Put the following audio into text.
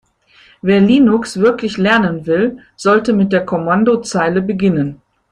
Wer Linux wirklich lernen will, sollte mit der Kommandozeile beginnen.